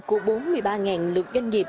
của bốn mươi ba lượt doanh nghiệp